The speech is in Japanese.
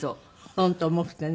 本当重くてね。